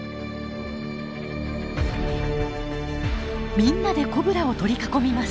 みんなでコブラを取り囲みます。